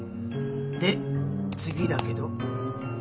で次だけど。